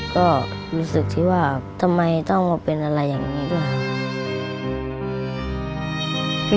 ก็รู้สึกที่ว่าต้องมาเป็นอะไรอย่างนี้